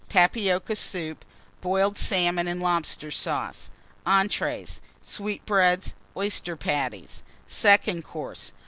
Tapioca Soup. Boiled Salmon and Lobster Sauce. ENTREES. Sweetbreads. Oyster Patties. SECOND COURSE.